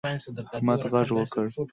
احمد غږ وکړ.